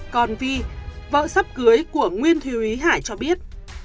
còn vi vợ sắp cưới của nguyên thùy hải cho biết